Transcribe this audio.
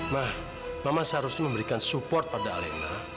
nah mama seharusnya memberikan support pada alena